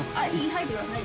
・入ってください。